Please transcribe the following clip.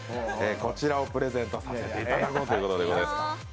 こちらをプレゼントさせていただこうと思います。